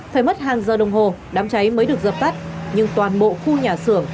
phải mất hàng giờ đồng hồ đám cháy mới được dập tắt nhưng toàn bộ khu nhà xưởng